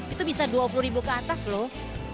itu bisa dua puluh ribu ke atas loh